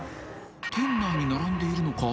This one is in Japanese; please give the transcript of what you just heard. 店内に並んでいるのか？